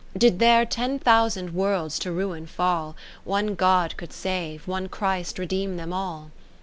Did there ten thousand Worlds to ruin fall, One God could save, one Christ redeem them all.